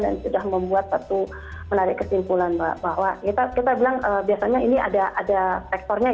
dan sudah membuat satu menarik kesimpulan bahwa kita bilang biasanya ini ada sektornya